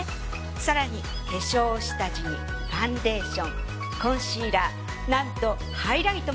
更に化粧下地にファンデーションコンシーラーなんとハイライトまで。